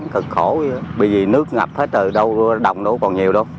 bởi vì nước ngập hết rồi đồng đâu có còn nhiều đâu